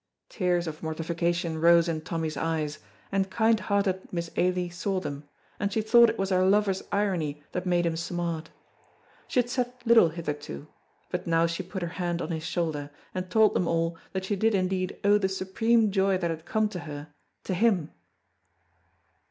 Tears of mortification rose in Tommy's eyes, and kind hearted Miss Ailie saw them, and she thought it was her lover's irony that made him smart. She had said little hitherto, but now she put her hand on his shoulder, and told them all that she did indeed owe the supreme joy that had come to her to him.